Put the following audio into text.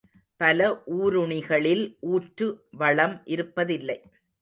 பல ஊருணிகளில் ஊற்று வளம் இருப்பதில்லை.